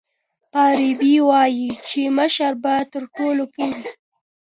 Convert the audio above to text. فارابي وایي چي مشر باید تر ټولو پوه وي.